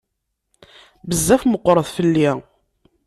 Bezzaf meqqret fell-i.